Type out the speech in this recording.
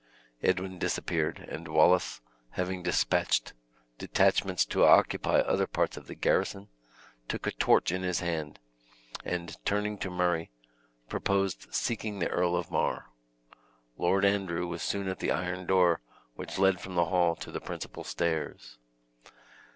Edwin disappeared, and Wallace, having dispatched detachments to occupy other parts of the garrison, took a torch in his hand and, turning to Murray, proposed seeking the Earl of Mar. Lord Andrew was soon at the iron door which led from the hall to the principal stairs.